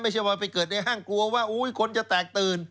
ไม่ใช่ว่าไปเกิดในห้างกลัวว่าคนจะแตกตื่น